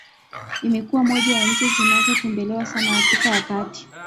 Imekuwa moja ya nchi zinazo tembelewa sana Afrika ya kati